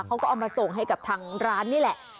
เขาก็เอามาส่งให้กับทางร้านนี่แหละ